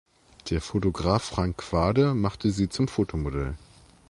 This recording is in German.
Der Fotograf Frank Quade machte sie zum Fotomodell.